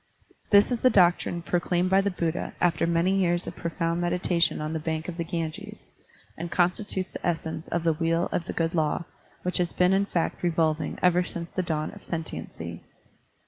This is the doctrine proclaimed by the Buddha after many years of profound meditation on the bank of the Ganges, and constitutes the essence of the Wheel of the Good Law which has been in fact revolving ever since the dawn of sentiency.